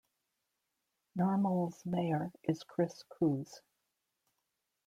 Normal's mayor is Chris Koos.